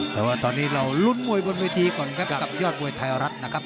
แต่ว่าตอนนี้เราลุ้นมวยบนเวทีก่อนครับกับยอดมวยไทยรัฐนะครับ